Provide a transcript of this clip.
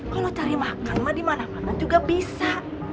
kalau cari makan mah dimana mana juga bisa